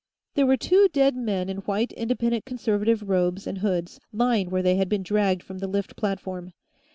There were two dead men in white Independent Conservative robes and hoods, lying where they had been dragged from the lift platform.